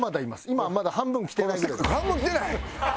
今まだ半分来てないぐらい。